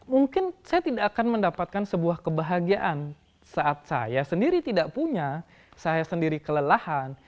mungkin saya tidak akan mendapatkan sebuah kebahagiaan saat saya sendiri tidak punya saya sendiri kelelahan